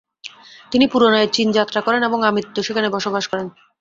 তিনি পুনরায় চীন যাত্রা করেন এবং আমৃত্যু সেখানে বসবাস করেন।